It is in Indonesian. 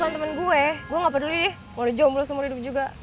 kalau lo bukan temen gue gue gak peduli deh mau di jomblo sama lo hidup juga